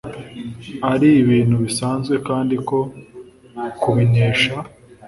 ari ibintu bisanzwe kandi ko kubinesha